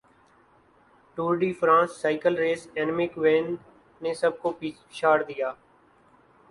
Tour de France cycle race اینمک وین نے سب کو پچھاڑدیا